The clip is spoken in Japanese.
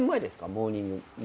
モーニング娘。